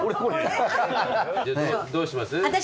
どうします？